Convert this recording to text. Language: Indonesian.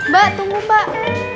mbak tunggu mbak